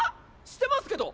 してますけど！